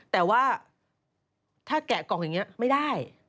แต่ว่าถ้าแกะกล่องอย่างนี้ไม่ได้